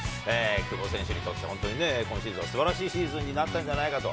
久保選手にとって、本当にね、今シーズンはすばらしいシーズンになったんじゃないかと。